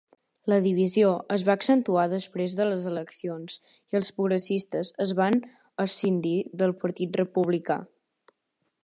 La divisió es va accentuar després de les eleccions i els progressistes es van escindir del Partit Republicà.